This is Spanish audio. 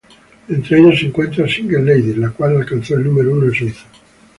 Entre ellas se encuentra "Single Ladies" la cual alcanzó el número uno en Suiza.